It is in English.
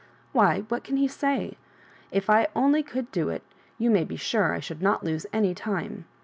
Why, what can he say ? If I only could do it, you may be sure I should not lose any tune."